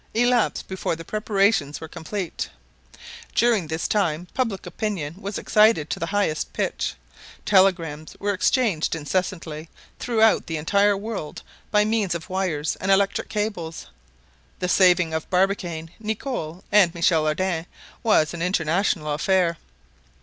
elapsed before the preparations were complete. During this time public opinion was excited to the highest pitch. Telegrams were exchanged incessantly throughout the entire world by means of wires and electric cables. The saving of Barbicane, Nicholl, and Michel Ardan was an international affair.